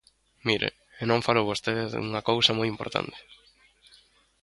Mire, e non falou vostede dunha cousa moi importante.